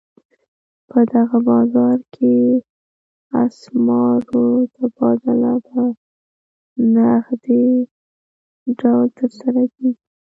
په دغه بازار کې اسعارو تبادله په نغدي ډول ترسره کېږي.